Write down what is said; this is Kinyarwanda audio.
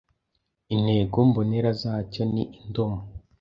Intego mbonera zacyo ni indomo,